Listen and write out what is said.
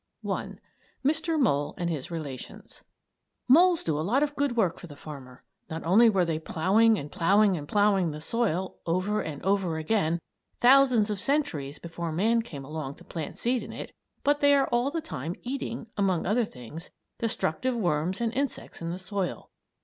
I. MR. MOLE AND HIS RELATIONS Moles do a lot of good work for the farmer. Not only were they ploughing and ploughing and ploughing the soil over and over again thousands of centuries before man came along to plant seed in it, but they are all the time eating, among other things, destructive worms and insects in the soil.